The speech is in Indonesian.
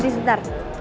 om yujo bentar